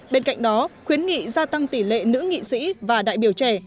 bên cạnh đó khuyến nghị gia tăng tỷ lệ nữ nghị sĩ và đại biểu trẻ